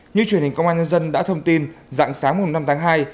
như truyền hình công an nhân dân đã thông tin dặn sáng hôm năm tháng hai